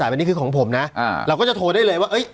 สายอันนี้คือของผมนะอ่าเราก็จะโทรได้เลยว่าเอ้ย